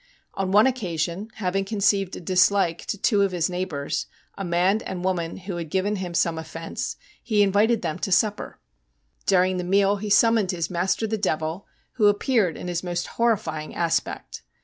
On one occasion, having conceived a dislike to two of his neighbours, a man and woman who had given him THE STRANGE STORY OF MAJOR WEIR 5 Rome offence, he invited them to supper. During the meal lie summoned his master the Devil, who appeared in his most horrifying aspect.